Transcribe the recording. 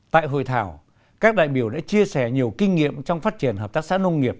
tại hội thảo các đại biểu đã chia sẻ nhiều kinh nghiệm trong phát triển hợp tác xã nông nghiệp